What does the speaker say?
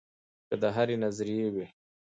کۀ د هرې نظرئې وي